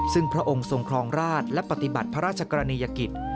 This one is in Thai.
ซึ่งพระองค์ทรงครองราชและปฏิบัติพระราชกรณียกิจ